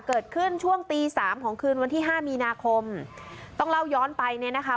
เกิดขึ้นช่วงตีสามของคืนวันที่ห้ามีนาคมต้องเล่าย้อนไปเนี่ยนะคะ